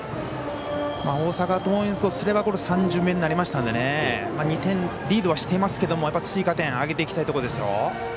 大阪桐蔭とすれば３巡目になりましたので２点リードはしていますが追加点挙げていきたいところですよ。